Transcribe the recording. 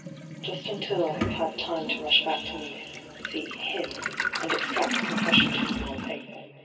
' Just until I have had time to rush back to Nice, see him, and extract a confession to you on paper.